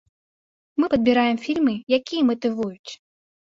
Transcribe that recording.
Мы падбіраем фільмы, якія матывуюць.